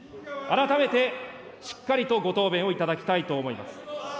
改めてしっかりとご答弁をいただきたいと思います。